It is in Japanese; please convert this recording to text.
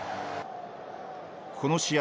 この試合